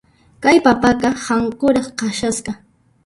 Kay papaqa hankuras kashasqa.